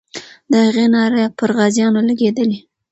د هغې ناره پر غازیانو لګېدلې.